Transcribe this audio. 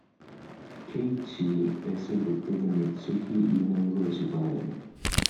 Keiichi es el doctor de Mitsuki y un amigo de su padre.